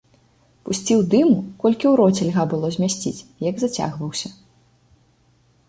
Пусціў дыму, колькі ў роце льга было змясціць, як зацягваўся.